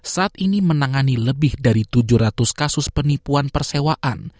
saat ini menangani lebih dari tujuh ratus kasus penipuan persewaan